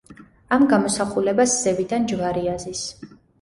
ამ გამოსახულებას ზევიდან ჯვარი აზის.